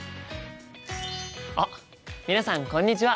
あっ皆さんこんにちは！